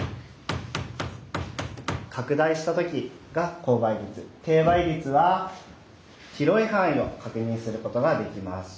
拡大した時が高倍率低倍率は広い範囲を確認する事ができます。